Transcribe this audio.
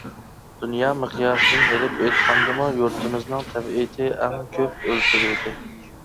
دۇنيا مىقياسىدىن ئېلىپ ئېيتقاندىمۇ يۇرتىمىزنىڭ تەبىئىتى ئەڭ كۆپ ئۆلتۈرۈلدى.